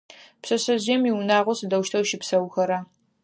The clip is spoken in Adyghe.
Пшъэшъэжъыем иунагъо сыдэущтэу щыпсэухэра?